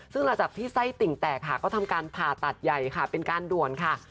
ซึ่งหลังจากที่ไส้ติ่งแตกค่ะก็ทำการผ่าตัดใหญ่ค่ะเป็นการด่วนค่ะ